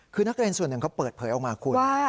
คือนักเรียนส่วนหนึ่งเขาเปิดเผยออกมาคุณ